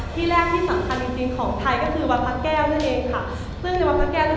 ที่แรกที่สำคัญจริงจริงของไทยก็คือวัดพระแก้วนั่นเองค่ะซึ่งในวัดพระแก้วเนี่ย